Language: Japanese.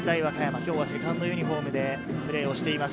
今日は２ｎｄユニホームでプレーをしています。